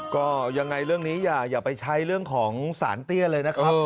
ก็ยังไงเรื่องนี้อย่าไปใช้เรื่องของสารเตี้ยเลยนะครับ